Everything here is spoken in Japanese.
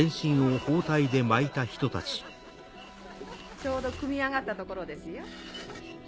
ちょうど組み上がったところですよ。